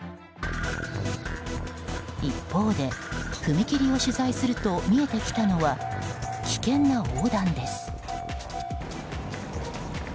一方で踏切を取材すると見えてきたのは危険な横断です。